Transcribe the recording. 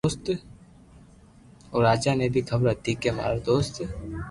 او راجا ني ڀي خبر ھتي ڪي مارو دوست